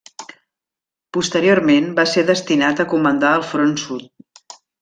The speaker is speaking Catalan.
Posteriorment va ser destinat a comandar el Front Sud.